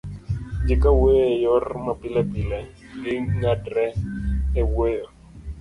ji kawuoyo e yor mapilepile, ging'adre e wuoyo